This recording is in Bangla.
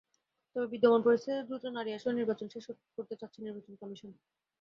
তবে বিদ্যমান পরিস্থিতিতে দ্রুত নারী আসনের নির্বাচন শেষ করতে চাচ্ছে নির্বাচন কমিশন।